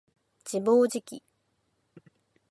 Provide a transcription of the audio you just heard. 自暴自棄